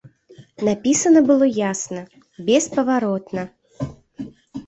Напісана было ясна, беспаваротна.